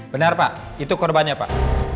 benar pak itu korbannya pak